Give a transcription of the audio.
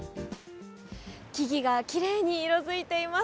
木々がきれいに色づいています。